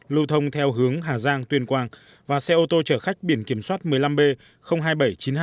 lưu thông theo hướng hà giang tuyên quang và xe ô tô chở khách biển kiểm soát một mươi năm b hai nghìn bảy trăm chín mươi hai